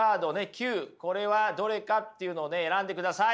９これはどれかっていうのを選んでください。